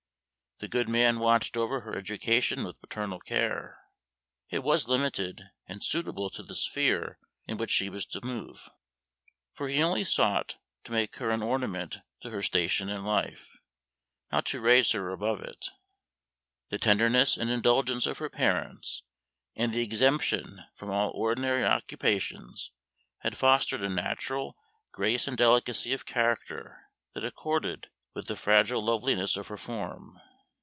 The good man watched over her education with paternal care; it was limited and suitable to the sphere in which she was to move, for he only sought to make her an ornament to her station in life, not to raise her above it. The tenderness and indulgence of her parents and the exemption from all ordinary occupations had fostered a natural grace and delicacy of character that accorded with the fragile loveliness of her form.